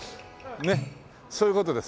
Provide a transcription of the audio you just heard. ねっそういう事です。